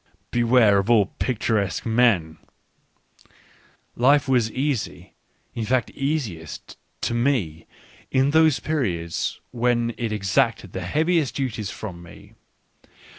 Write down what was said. ... Beware of all p ictur escjue men ! Life was easy — in fact easiest — to me, in those periods when it exacted the heaviest duties from me.